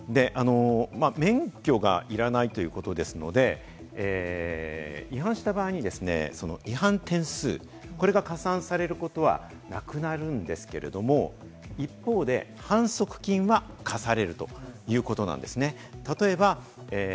免許がいらないということですので、違反した場合に違反点数、これが加算されることはなくなるんですけれども、一方で反則金は科されるということなんです。